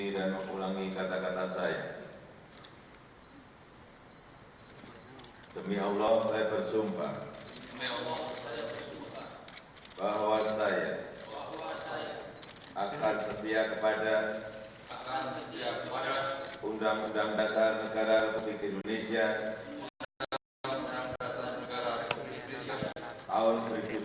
lalu kebangsaan indonesia baik